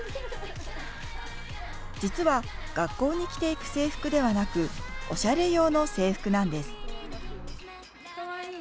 実は学校に着ていく制服ではなく、おしゃれ用の制服なんです。